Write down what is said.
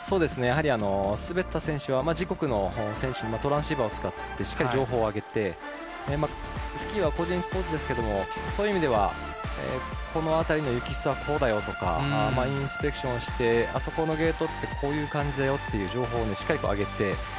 やはり滑った選手は自国の選手にトランシーバーを使ってしっかり情報をあげてスキーは個人スポーツですけどもそういう意味ではこの辺りの雪質はこうだよとかインスペクションをしてあそこのゲートってこういう感じだよという情報をしっかり上げて。